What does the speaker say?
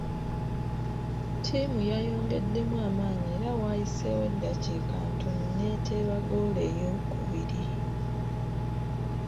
Ttiimu yayongeddemu amaanyi era waayiseewo eddakiika ntono n'eteeba ggoolo eyookubiri.